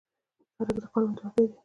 سړک د قانون تابع دی.